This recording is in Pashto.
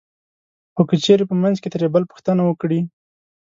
خو که چېرې په منځ کې ترې بل پوښتنه وکړي